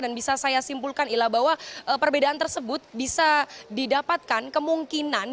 dan bisa saya simpulkan ilah bahwa perbedaan tersebut bisa didapatkan kemungkinan